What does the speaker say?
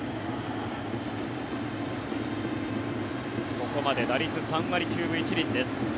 ここまで打率３割９分１厘です。